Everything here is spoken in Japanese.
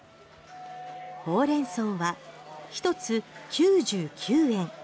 ホウレンソウは１つ９９円。